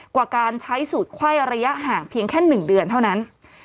กว่าการใช้สูตรไข้ระยะห่างเพียงแค่๑เดือนเท่านั้น